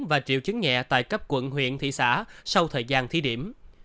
và triệu chứng nhẹ tại cấp quận huyện thị xã sau thời gian thí điểm